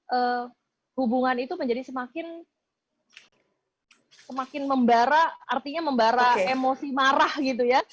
kemudian hubungan itu menjadi semakin membara artinya membara emosi marah gitu ya